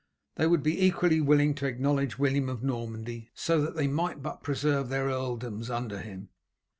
They would be equally willing to acknowledge William of Normandy so that they might but preserve their earldoms under him.